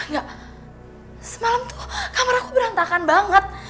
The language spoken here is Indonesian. ya semalam tuh kamar aku berantakan banget